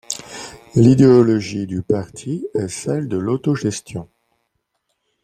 L'idéologie du parti est celle de l'autogestion.